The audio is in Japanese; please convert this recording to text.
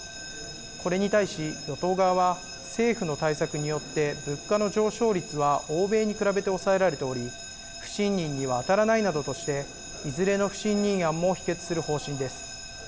これに対し与党側は政府の対策によって物価の上昇率は欧米に比べて抑えられており不信任にはあたらないなどとしていずれの不信任案も否決する方針です。